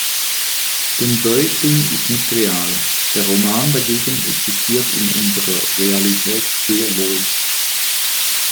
Denn Beutlin ist nicht real, der Roman dagegen existiert in unserer Realität sehr wohl.